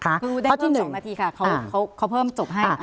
เพราะได้เพิ่ม๒นาทีค่ะเขาพร้อมจบให้